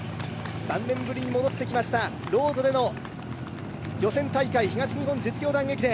３年ぶりに戻ってきました、ロードでの予選大会、東日本実業団駅伝。